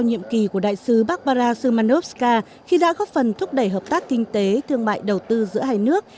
nhiệm kỳ của đại sứ barbara szymanowska khi đã góp phần thúc đẩy hợp tác kinh tế thương mại đầu tư giữa hai nước